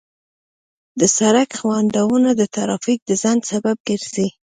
د سړک خنډونه د ترافیک د ځنډ سبب ګرځي.